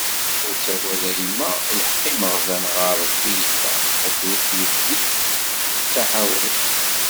Ur ttagad a yemma, lḥeq imeɣban ɣer Rebbi i yella, ḥedd ur t-yewwi d taḥawact.